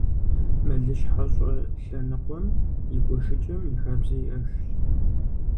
Мэлыщхьэ щӏылъэныкъуэм и гуэшыкӏэм и хабзэ иӏэжщ.